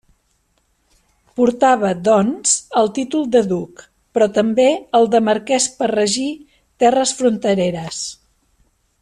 Portava, doncs, el títol de duc, però també el de marquès per regir terres frontereres.